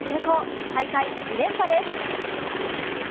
大会２連覇です。